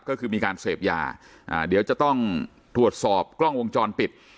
ก็คือมีการเสพยาเดี๋ยวจะต้องตรวจสอบกล้องวงจรปิด